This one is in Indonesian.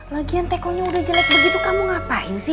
lagian tekonya udah jelek begitu kamu ngapain sih